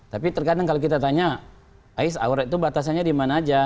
tapi terkadang kalau kita tanya ais aurat itu batasannya di mana aja